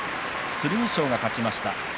剣翔が勝ちました。